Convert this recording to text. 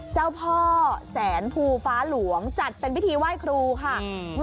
เจ้าพ่อแสนภูฟ้าหลวงจัดเป็นพิธีไหว้ครูค่ะ